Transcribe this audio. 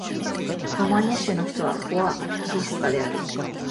ロライマ州の州都はボア・ヴィスタである